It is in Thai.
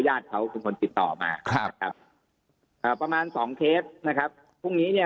ยาดเขาคือคนติดต่อมาครับประมาณ๒เคสนะครับพรุ่งนี้เนี่ย